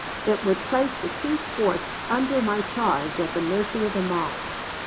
It would place the two forts under my charge at the mercy of a mob.